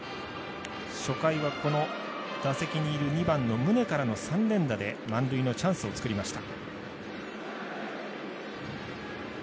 初回は打席にいる宗からの３連打で満塁のチャンスを作りました。